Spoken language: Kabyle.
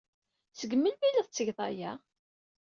Seg melmi ay la tettged aya?